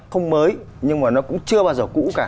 không mới nhưng mà nó cũng chưa bao giờ cũ cả